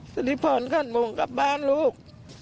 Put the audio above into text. สิริพรขันวงกลับบ้านลูก